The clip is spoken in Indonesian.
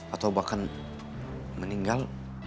atau bahkan meninggal